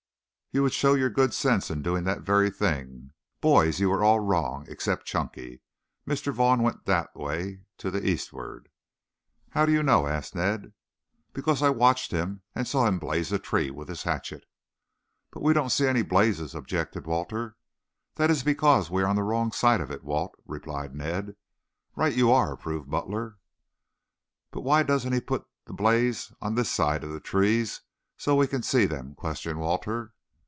"You would show your good sense in doing that very thing. Boys, you are all wrong, except Chunky. Mr. Vaughn went that way, to the eastward." "How do you know?" asked Ned. "Because I watched him and saw him blaze a tree with his hatchet." "But we don't see any blazes," objected Walter. "That is because we are on the wrong side of it, Walt," replied Ned. "Right you are," approved Butler. "But why doesn't he put the blaze on this side of the trees so we can see them?" questioned Walter.